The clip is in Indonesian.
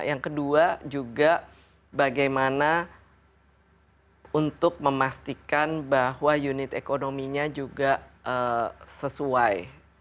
yang kedua juga bagaimana untuk memastikan bahwa unit ekonominya juga sesuai